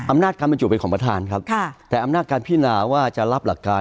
อำนาจการบรรจุเป็นของประธานครับค่ะแต่อำนาจการพินาว่าจะรับหลักการ